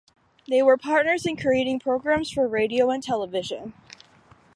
They were partners in creating programs for radio and television.